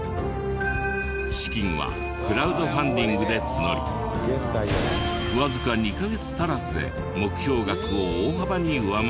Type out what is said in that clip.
資金はクラウドファンディングで募りわずか２カ月足らずで目標額を大幅に上回り。